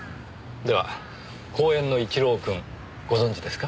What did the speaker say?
では「公園の一郎くん」ご存じですか？